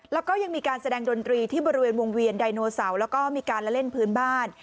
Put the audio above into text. แล้วก็ยังมีการแสดงดนตรีที่บริเวณวงเวียนไดโนเสาร์แล้วก็มีการละเล่นพื้นบ้าน